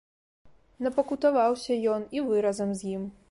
Напакутаваўся ён і вы разам з ім.